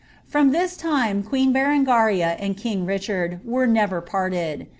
From that time queen Berengaria and king Richard were never parted.